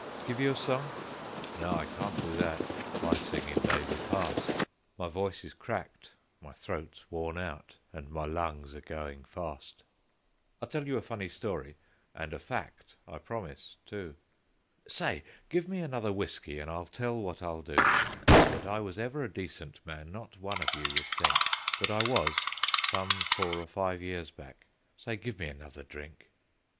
Give you a song? No, I can't do that; my singing days are past; My voice is cracked, my throat's worn out, and my lungs are going fast. "I'll tell you a funny story, and a fact, I promise, too. Say! Give me another whiskey, and I'll tell what I'll do That I was ever a decent man not one of you would think; But I was, some four or five years back. Say, give me another drink.